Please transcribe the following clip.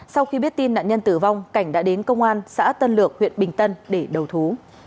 sau khi biết tin nạn nhân tử vong cảnh đã đến công an xã tân lược huyện bình tân để đầu thú